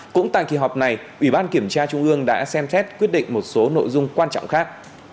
cũng tại kỳ họp này ủy ban kiểm tra trung ương đã xem xét quyết định một số nội dung quan trọng khác